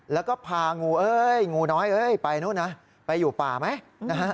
แล้วก็พางูเอ้ยงูน้อยเอ้ยไปนู่นนะไปอยู่ป่าไหมนะฮะ